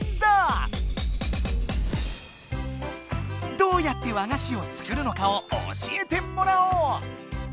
どうやって和菓子をつくるのかを教えてもらおう！